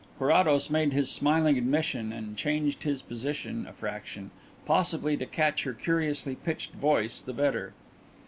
Carrados made his smiling admission and changed his position a fraction possibly to catch her curiously pitched voice the better.